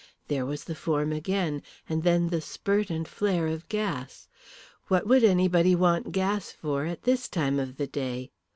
There was the form again, and then the spurt and flare of gas. What would anybody want gas for at this time of the day?